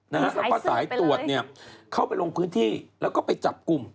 แล้วก็สายตรวจเนี่ยเข้าไปลงพื้นที่แล้วก็ไปจับกลุ่ม